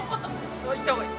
それは言った方がいい。